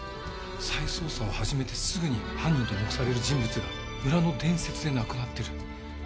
再捜査を始めてすぐに犯人と目される人物が村の伝説で亡くなってる。